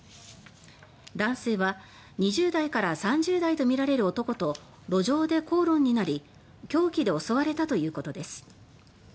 男性は２０代から３０代とみられる男と路上で口論になり凶器で襲われたということです。